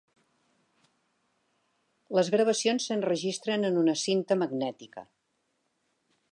Les gravacions s'enregistren en una cinta magnètica